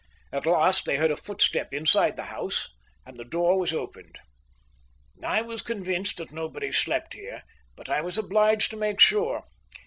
At last they heard a footstep inside the house, and the door was opened. "I was convinced that nobody slept here, but I was obliged to make sure.